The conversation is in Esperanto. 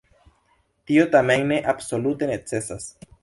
Tio tamen ne absolute necesas.